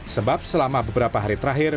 sebab selama beberapa hari terakhir